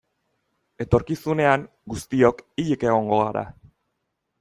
Etorkizunean guztiok hilik egongo gara.